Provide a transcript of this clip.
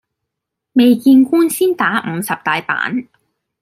未見官先打五十大板